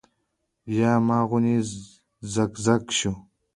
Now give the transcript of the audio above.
پۀ ما غونے زګ زګ شۀ ـ